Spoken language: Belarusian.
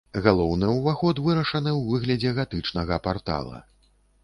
Галоўны ўваход вырашаны ў выглядзе гатычнага партала.